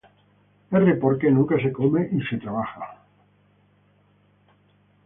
R-Porque nunca se come, y se trabaja.